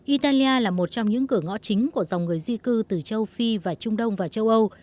italia là một trong những cửa ngõ chính của dòng người di cư từ châu phi và trung đông và châu âu